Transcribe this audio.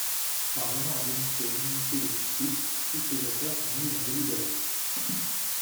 Parvenant à démontrer l'inanité des poursuites, toutes les affaires sont mises en délibéré.